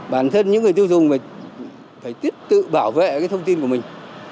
bản thân những người tiêu dùng phải tiếp tự bảo vệ thông tin của mình